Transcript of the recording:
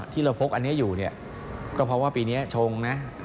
ที่เราพกอันนี้อยู่เนี่ยก็เพราะว่าปีนี้ชงนะ